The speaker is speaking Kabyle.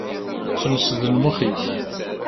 Semsed lmux-ik.